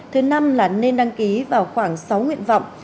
thứ năm là nên đăng ký vào khoảng sáu nguyện vọng